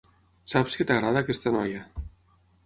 Saps que t'agrada aquesta noia.